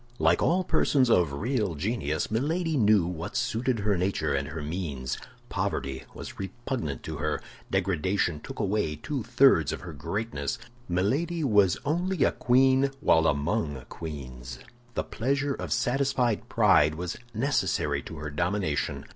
Like all persons of real genius, Milady knew what suited her nature and her means. Poverty was repugnant to her; degradation took away two thirds of her greatness. Milady was only a queen while among queens. The pleasure of satisfied pride was necessary to her domination.